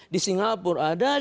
di singapura ada